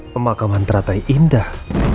pemakaman teratai indah